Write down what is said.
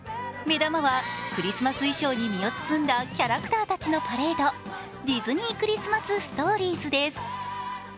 目玉はクリスマス衣装に身を包んだキャラクターたちのパレードディズニー・クリスマス・ストーリーズです。